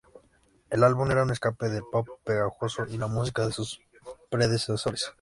El álbum era un escape del "pop-pegagoso" y la música de sus predecesores.